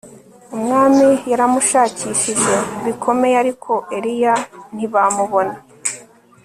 Umwami yaramushakishije bikomeye ariko Eliya ntibamubona